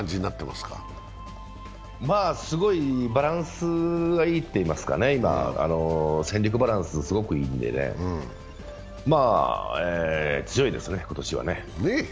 すごいバランスがいいといいますからね、今、戦力バランスがすごくいいですから、強いですね、今年はね。